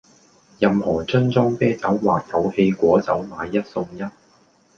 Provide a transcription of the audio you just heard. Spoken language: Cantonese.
任何樽裝啤酒或有氣果酒買一送一